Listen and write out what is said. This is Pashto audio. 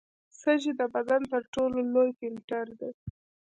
سږي د بدن تر ټولو لوی فلټر دي.